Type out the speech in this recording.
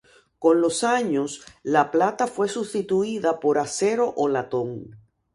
Con los años, la plata fue sustituida por acero o latón.